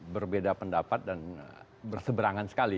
berbeda pendapat dan berseberangan sekali